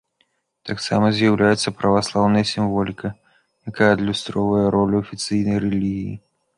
Таксама з'яўляецца праваслаўная сімволіка, якая адлюстроўвае ролю афіцыйнай рэлігіі.